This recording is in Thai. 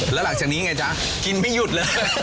แล้วหลังจากนี้ไงจ๊ะกินไม่หยุดเลย